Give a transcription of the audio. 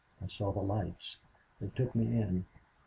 I saw the lights. They took me in.